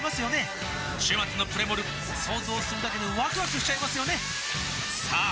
週末のプレモル想像するだけでワクワクしちゃいますよねさあ